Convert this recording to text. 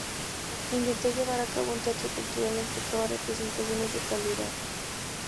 Intentó llevar a cabo un teatro cultural enfocado a representaciones de calidad.